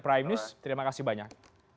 prime news terima kasih banyak